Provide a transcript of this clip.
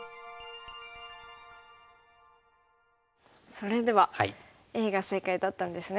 それではＡが正解だったんですね。